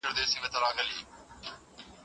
که ته په دقت وګورې نو هوښیار یې.